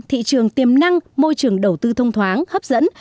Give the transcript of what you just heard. thị trường tiềm năng môi trường đầu tư thông thoáng hấp dẫn